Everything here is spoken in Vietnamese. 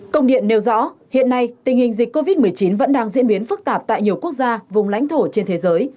công điện nêu rõ hiện nay tình hình dịch covid một mươi chín vẫn đang diễn biến phức tạp tại nhiều quốc gia vùng lãnh thổ trên thế giới